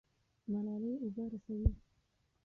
ملالۍ اوبه رسوي.